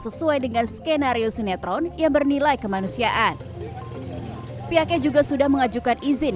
sesuai dengan skenario sinetron yang bernilai kemanusiaan pihaknya juga sudah mengajukan izin